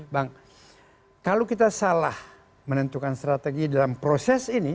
bang kalau kita salah menentukan strategi dalam proses ini